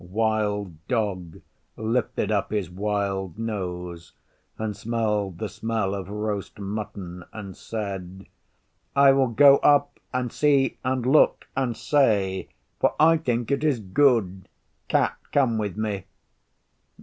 Wild Dog lifted up his wild nose and smelled the smell of roast mutton, and said, 'I will go up and see and look, and say; for I think it is good. Cat, come with me.